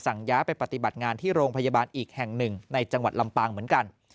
ย้ายไปปฏิบัติงานที่โรงพยาบาลอีกแห่งหนึ่งในจังหวัดลำปางเหมือนกัน